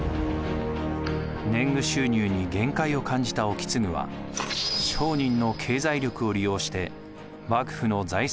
年貢収入に限界を感じた意次は商人の経済力を利用して幕府の財政を再建しようとします。